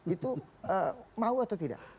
itu mau atau tidak